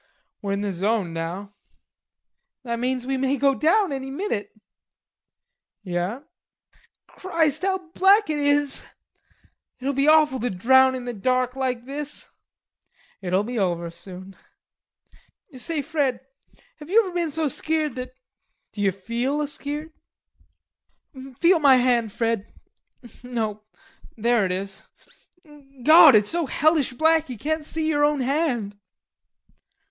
"We're in the zone, now." "That means we may go down any minute." "Yare." "Christ, how black it is.... It'ld be awful to drown in the dark like this." "It'ld be over soon." "Say, Fred, have you ever been so skeered that...?" "D'you feel a skeert?" "Feel my hand, Fred.... No.... There it is. God, it's so hellish black you can't see yer own hand."